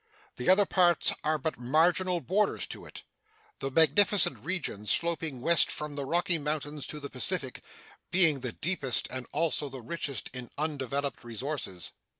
The other parts are but marginal borders to it. The magnificent region sloping west from the Rocky Mountains to the Pacific being the deepest and also the richest in undeveloped resources.